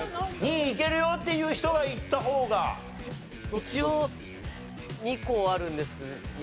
一応２個あるんですけど。